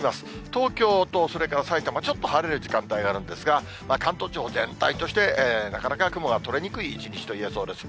東京とそれからさいたま、ちょっと晴れる時間帯があるんですが、関東地方全体として、なかなか雲が取れにくい一日といえそうです。